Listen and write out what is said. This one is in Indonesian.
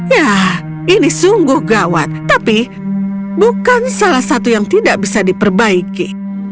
ya ini sungguh gawat tapi bukan salah satu yang tidak bisa diperbaiki